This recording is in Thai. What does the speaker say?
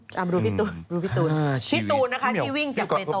ตามดูพี่ตูนพี่ตูนนะคะที่วิ่งจากในตรง